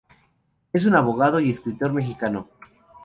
Es un abogado y escritor mexicano.